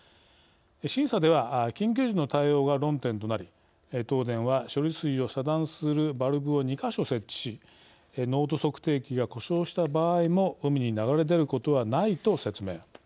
審査では緊急時の対応が論点となり東電は処理水を遮断するバルブを２か所設置し濃度測定器が故障した場合も海に流れ出ることはないと説明。